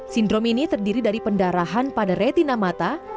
sindrom ini terdiri dari pendarahan pada retina mata